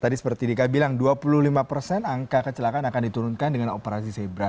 tadi seperti dika bilang dua puluh lima persen angka kecelakaan akan diturunkan dengan operasi zebra